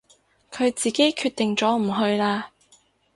佢自己決定咗唔去啦